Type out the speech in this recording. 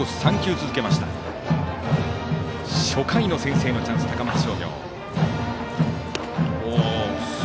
初回の先制のチャンス、高松商業。